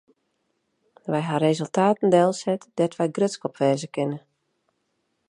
Wy hawwe resultaten delset dêr't wy grutsk op wêze kinne.